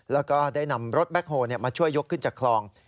แล้วก็ได้นำรถแบ็คโฮลมาช่วยยกขึ้นจากคลอง